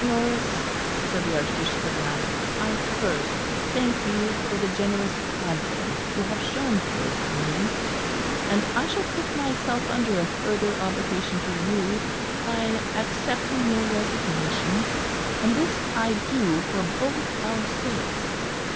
Norris," said the Archbishop at last, "I first thank you for the generous confidence you have shown towards me: and I shall put myself under a further obligation to you by accepting your resignation: and this I do for both our sakes.